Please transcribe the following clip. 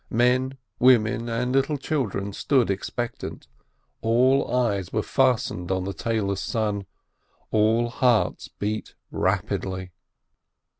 Men, women, and little children stood expectant, all eyes were fast ened on the tailor's son, all hearts beat rapidly.